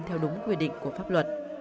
theo đúng quy định của pháp luật